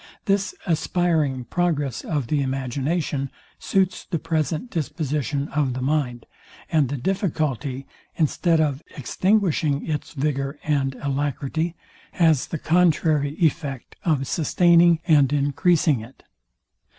This aspiring progress of the imagination suits the present disposition of the mind; and the difficulty, instead of extinguishing its vigour and alacrity, has the contrary affect, of sustaining and encreasing it.